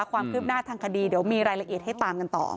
ความคืบหน้าทางคดีเดี๋ยวมีรายละเอียดให้ตามกันต่อ